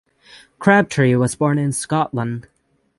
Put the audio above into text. Crabtree was born in Scotland.